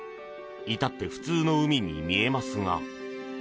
至って普通の海に見えますが。